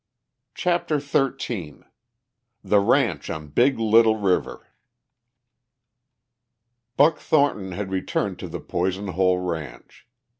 CHAPTER XIII THE RANCH ON BIG LITTLE RIVER Buck Thornton had returned to the Poison Hole ranch.